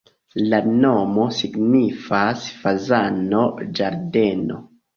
La nomo signifas: fazano-ĝardeno.